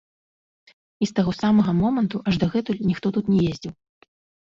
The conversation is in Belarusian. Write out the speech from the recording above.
І з таго самага моманту аж дагэтуль ніхто тут не ездзіў.